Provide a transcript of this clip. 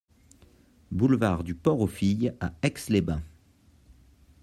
Boulevard du Port aux Filles à Aix-les-Bains